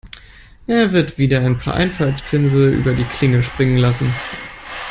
Er wird wieder ein paar Einfaltspinsel über die Klinge springen lassen.